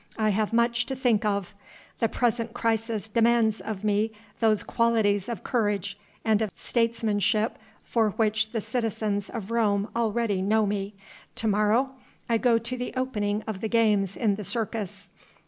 I have much to think of. The present crisis demands of me those qualities of courage and of statesmanship for which the citizens of Rome already know me. To morrow I go to the opening of the games in the Circus.